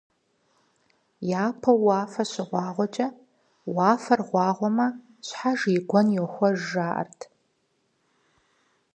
Япэу уафэ щыгъуагъуэкӀэ, «Уафэр гъуагъуэмэ, щхьэж и гуэн йоуэж» жаӀэрт.